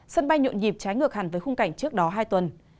sân bay nhộn nhịp trái ngược hẳn với khung cảnh trước đó hai tuần